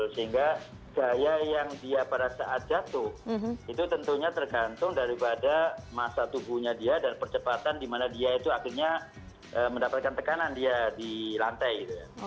sehingga gaya yang dia pada saat jatuh itu tentunya tergantung daripada masa tubuhnya dia dan percepatan di mana dia itu akhirnya mendapatkan tekanan dia di lantai